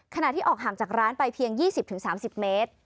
ขณะที่ออกห่างจากร้านไปเพียง๒๐๓๐เมตร